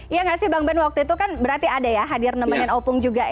iya nggak sih bang ban waktu itu kan berarti ada ya hadir nemenin opung juga ya